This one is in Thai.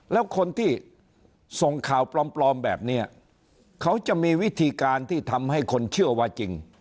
แล้วคนที่ส่งข่าวปลอมแบบนี้เขาจะมีวิธีการที่ทำให้คนเชื่อว่าจริง